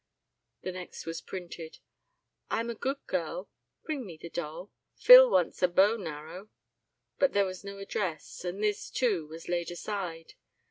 The next was printed. "I am a good girl bring me the doll. Fill wants a bow narrow," but there was no address, and this, too, was laid aside.